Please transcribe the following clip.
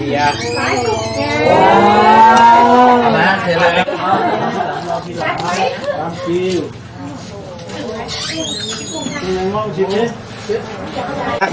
หลายความความสุข